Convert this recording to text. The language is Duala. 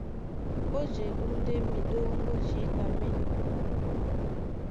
Ó jedú ndé miɗóŋgó jǐta mí enɔ́.